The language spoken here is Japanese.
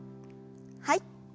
はい。